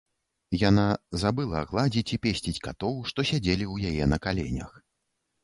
Яна забыла гладзіць і песціць катоў, што сядзелі ў яе на каленях.